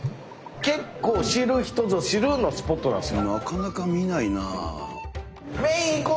結構知る人ぞ知るのスポットなんですよ。